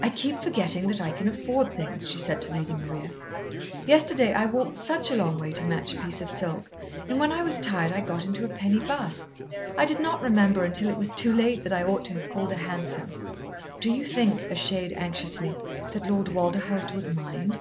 "I keep forgetting that I can afford things," she said to Lady Maria. "Yesterday I walked such a long way to match a piece of silk, and when I was tired I got into a penny bus. I did not remember until it was too late that I ought to have called a hansom. Do you think," a shade anxiously, "that Lord Walderhurst would mind?"